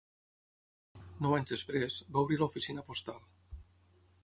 Nou anys després, va obrir l'oficina postal.